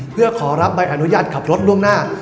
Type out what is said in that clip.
เพื่อขอรับใบอนุญาตขับรถล่วงหน้า